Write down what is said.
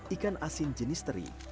ikan asin jenis teri